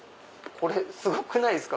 これすごくないっすか？